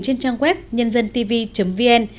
trên trang web nhândântv vn